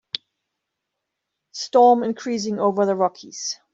Storm increasing over the Rockies.